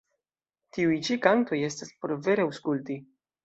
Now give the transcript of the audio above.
Tiuj ĉi kantoj estas por vere aŭskulti.